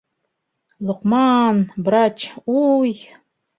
Лоҡма-а-а-н... брач... уй-й-й!